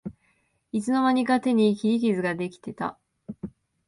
いつの間にか手に切り傷ができてた